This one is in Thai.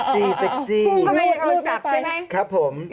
เซ็กซี่เพราะว่าจะขอสับใช่ไหมครับผม